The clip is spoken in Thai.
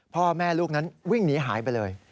พ่อแม่ลูกนั้นวิ่งหนีหายไปเลย